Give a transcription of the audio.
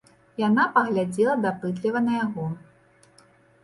Яна паглядзела дапытліва на яго.